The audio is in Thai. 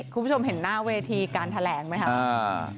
คุณผู้ชมเห็นหน้าเวทีการแถลงไหมครับ